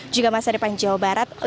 juga masa depan jawa barat